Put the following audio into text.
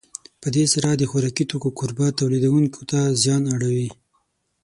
په دې سره د خوراکي توکو کوربه تولیدوونکو ته زیان اړوي.